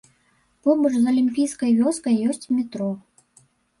Побач з алімпійскай вёскай ёсць метро.